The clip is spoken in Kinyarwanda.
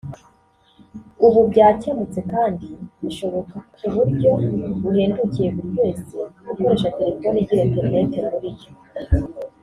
ubu byakemutse kandi bishoboka ku buryo buhendukiye buri wese ukoresha telefoni igira internet muri yo